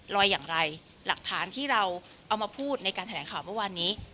อย่างไรหลักฐานที่เราเอามาพูดในการแถลงข่าวเมื่อวานนี้